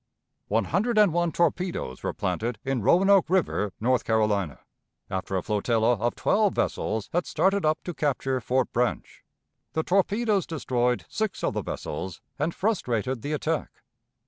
One hundred and one torpedoes were planted in Roanoke River, North Carolina, after a flotilla of twelve vessels had started up to capture Fort Branch. The torpedoes destroyed six of the vessels and frustrated the attack.